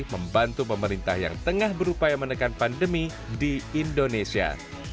membantu pemerintah yang tengah berupaya menekan pandemi di indonesia